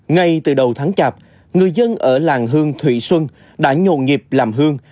ngay từ đầu tháng chạp người dân ở làng hương thủy xuân đã nhồn nhịp làm hương